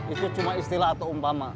itu cuma istilah atau umpama